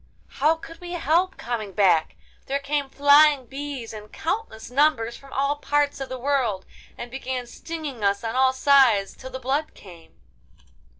'How could we help coming back? There came flying bees in countless numbers from all parts of the world, and began stinging us on all sides till the blood came!